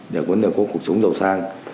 để có cuộc sống giàu sang